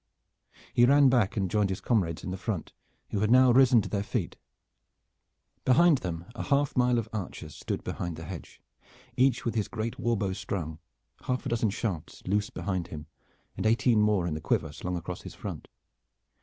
He ran back and joined his comrades in the front, who had now risen to their feet. Behind them a half mile of archers stood behind the hedge, each with his great warbow strung, half a dozen shafts loose behind him, and eighteen more in the quiver slung across his front.